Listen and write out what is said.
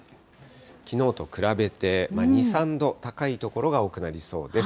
きのうと比べて、２、３度高い所が多くなりそうです。